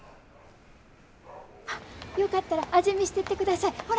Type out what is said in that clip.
あっよかったら味見してってください。